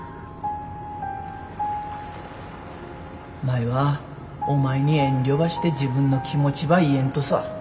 舞はお前に遠慮ばして自分の気持ちば言えんとさ。